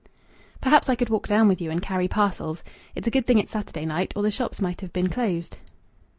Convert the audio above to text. "Perhaps I could walk down with you and carry parcels. It's a good thing it's Saturday night, or the shops might have been closed."